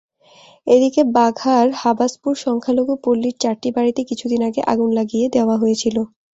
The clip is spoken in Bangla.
এদিকে বাঘার হাবাসপুর সংখ্যালঘু পল্লির চারটি বাড়িতে কিছুদিন আগে আগুন লাগিয়ে দেওয়া হয়েছিল।